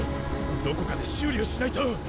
どこかで修理をしないと。